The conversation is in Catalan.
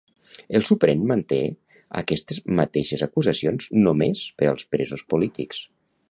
El Suprem manté aquestes mateixes acusacions només per als presos polítics.